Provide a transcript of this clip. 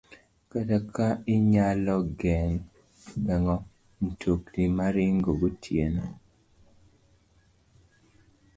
Kata ka inyalo geng' mtokni ma ringo gotieno